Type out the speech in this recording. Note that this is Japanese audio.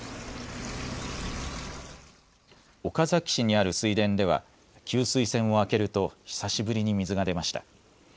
岡崎市にある水田では給水栓を開けると久しぶりに水が出ました。